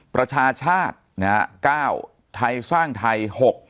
ประชาชาตินะฮะ๙ไทยสร้างไทย๖